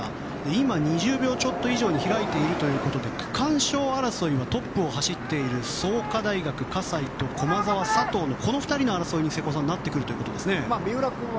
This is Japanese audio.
今、２０秒ちょっと以上に開いているということで区間賞争いはトップを走っている創価大学、葛西と駒澤の佐藤のこの２人の争いになってくるということですね、瀬古さん。